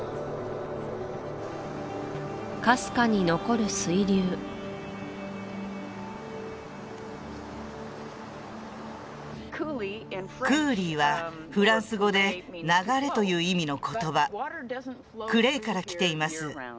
かすかに残る水流クーリーはフランス語で「流れ」という意味の言葉「クレイ」からきています